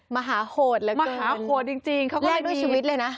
มหาโหดเหลือเกินแลกด้วยชีวิตเลยนะมหาโหดจริง